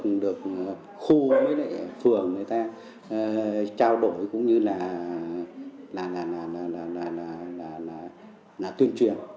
cũng được khu với phường người ta trao đổi cũng như là tuyên truyền